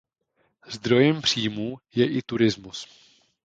Zdrojem příjmů je i turismus.